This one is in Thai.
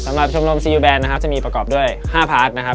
ชมรมซียูแบนนะครับจะมีประกอบด้วย๕พาร์ทนะครับ